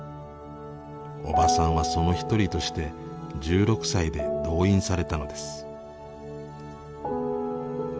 おばさんはその一人として１６歳で動員されたのです。